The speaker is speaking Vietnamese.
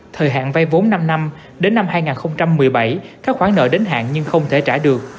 thời hạn vay vốn năm năm đến năm hai nghìn một mươi bảy các khoản nợ đến hạn nhưng không thể trả được